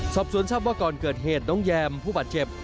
สอบสวนทรัพย์ว่าก่อนเกิดเหตุน้องแยมผู้บาดเจ็บ